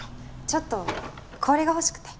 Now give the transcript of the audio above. ちょっと氷が欲しくて。